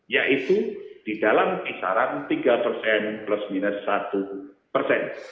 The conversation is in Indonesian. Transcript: yaitu di dalam kisaran tiga persen plus minus satu persen